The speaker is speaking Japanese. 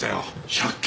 借金？